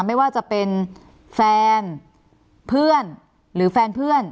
ไม่ว่าจะเป็นแฟนเพื่อนหรือแฟนเพื่อน